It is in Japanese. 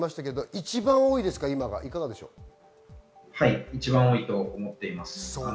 一番多いと思っています。